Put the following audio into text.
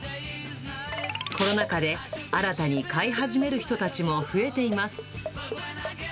コロナ禍で新たに飼い始める人たちも増えています。